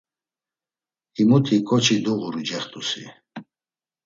Himuti ǩoçi doğuru cext̆usi.